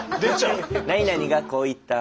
「何々がこう言った。